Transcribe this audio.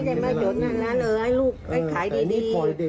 ไม่มาจอดหน้าร้านแล้วพาลูกไปขายดี